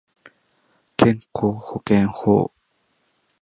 健康保険法